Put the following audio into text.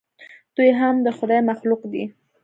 دوى هم د خداى مخلوق دي.